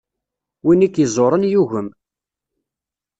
Win i k-iẓuren yugem.